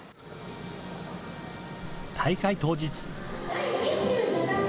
大会当日。